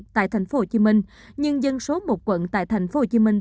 tại thành phố hồ chí minh nhưng dân số một quận tại thành phố hồ chí minh